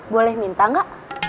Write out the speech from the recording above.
boleh minta ga